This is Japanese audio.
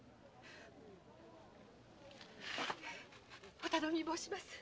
お頼み申します。